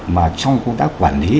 mà trong công tác quản lý